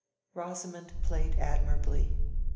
Rosamond played admirably.